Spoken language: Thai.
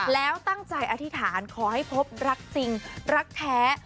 แล้วตั้งใจอธิษฐานขอให้พบรักจริงรักแท้